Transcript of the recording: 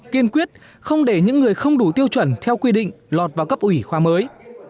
kiên quyết không để những người không đủ tiêu chuẩn theo quy định lọt vào cấp ủy khoa mới